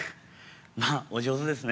まあお上手ですね。